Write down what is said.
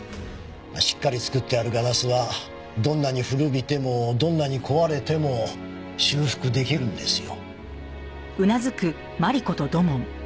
しっかり作ってあるガラスはどんなに古びてもどんなに壊れても修復出来るんですよ。